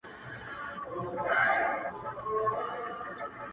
دا خاکي وريځه به د ځمکي سور مخ بيا وپوښي”